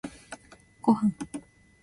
ごはん